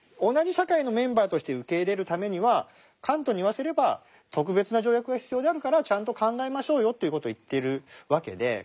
同じ社会のメンバーとして受け入れるためにはカントに言わせれば特別な条約が必要であるからちゃんと考えましょうよという事を言っているわけで。